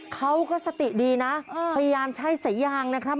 เขาก็สติดีนะพยายามใช้สายยางนะครับ